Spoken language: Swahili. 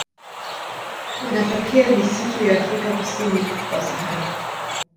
Wanatokea misitu ya Afrika kusini kwa Sahara.